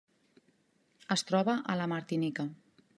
Es troba a la Martinica.